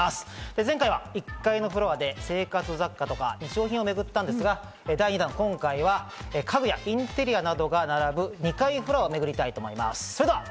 前回は１階のフロアで生活雑貨とか日用品をめぐったんですが今回は家具やインテリアなどが並ぶ、２階フロアをめぐります。